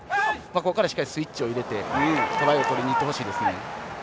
ここからしっかりスイッチを入れてトライを取りにいってほしいです。